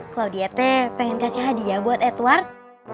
claudiate pengen kasih hadiah buat edward